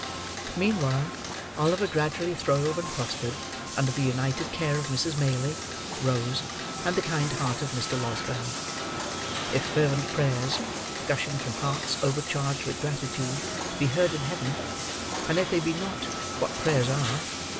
Meanwhile, Oliver gradually throve and prospered under the united care of Mrs. Maylie, Rose, and the kind hearted Mr. Losberne. If fervent prayers, gushing from hearts overcharged with gratitude, be heard in heaven—and if they be not, what prayers are!